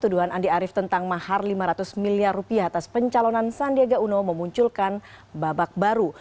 tuduhan andi arief tentang mahar lima ratus miliar rupiah atas pencalonan sandiaga uno memunculkan babak baru